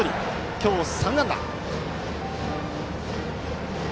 今日３安打。